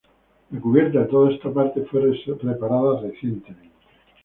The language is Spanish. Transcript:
La cubierta de toda esta parte fue reparada recientemente.